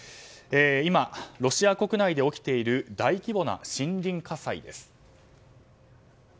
今、ロシア国内で起きている大規模な森林火災です。